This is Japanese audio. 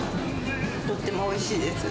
とってもおいしいです。